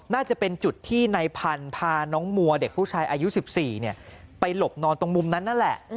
นายพันธุ์เด็กผู้ชายอายุ๑๔ปีเนี่ยไปหลบนอนตรงมุมนั้นอ่ะแหละ